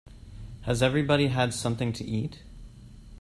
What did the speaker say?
Has everybody had something to eat?